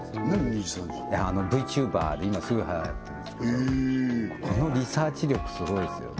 にじさんじってＶＴｕｂｅｒで今スゴいはやってるんですけどこのリサーチ力スゴいですよね